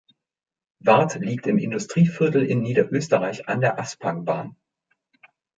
Warth liegt im Industrieviertel in Niederösterreich an der Aspangbahn.